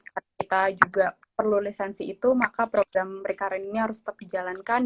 kalau kita juga perlu lesensi itu maka program rekaran ini harus tetap dijalankan